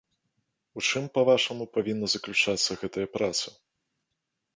У чым, па-вашаму, павінна заключацца гэтая праца?